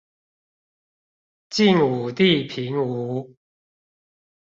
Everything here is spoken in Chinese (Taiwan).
晉武帝平吳